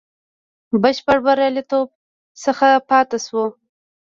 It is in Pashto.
بشپړ بریالیتوب څخه پاته شو.